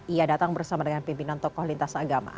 ia datang bersama dengan pimpinan tokoh lintas agama